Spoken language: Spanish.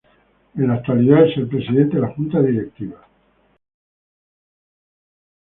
En la actualidad es el presidente de la junta directiva.